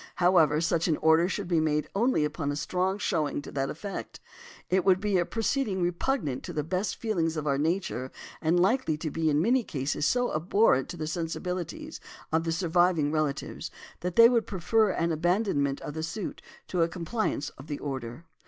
However, such an order should be made only upon a strong showing to that effect. "It would be a proceeding repugnant to the best feelings of our nature, and likely to be in many cases so abhorrent to the sensibilities of the surviving relatives, that they would prefer an abandonment of the suit to a compliance with the order."